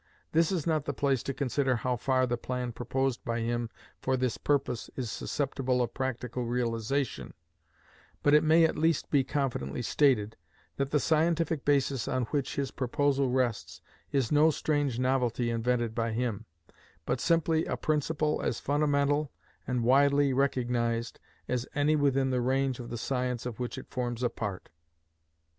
This is not the place to consider how far the plan proposed by him for this purpose is susceptible of practical realization; but it may at least be confidently stated, that the scientific basis on which his proposal rests is no strange novelty invented by him, but simply a principle as fundamental and widely recognized as any within the range of the science of which it forms a part.